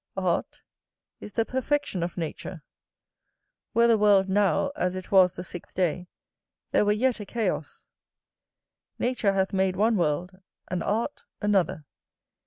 Art is the perfection of nature. Were the world now as it was the sixth day, there were yet a chaos. Nature hath made one world, and art another.